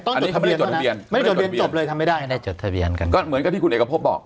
อันนี้เขาไม่ได้จดทะเบียนไม่ได้จดทะเบียนจบเลยทำไม่ได้ได้จดทะเบียนกันก็เหมือนกับที่คุณเอกพบบอก